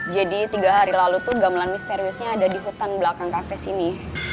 jadi tiga hari lalu tuh gamelan misteriusnya ada di hutan belakang cafe sini